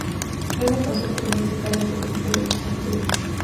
Luego pasó por el Once Caldas de Colombia y regresó al Perú.